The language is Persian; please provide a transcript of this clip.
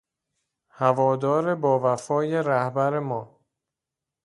هوادار باوفای رهبر ما